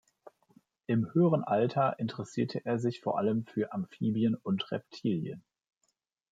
Im höheren Alter interessierte er sich vor allem für Amphibien und Reptilien.